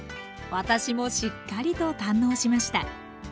私もしっかりと堪能しました